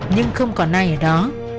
nhưng không còn ai ở đó